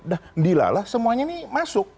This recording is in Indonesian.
dah dilalah semuanya ini masuk